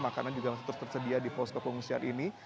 makanan juga masih terus tersedia di pos kepengusian ini